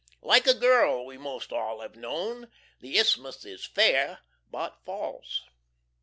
Like a girl we most all have known, the Isthmus is fair but false.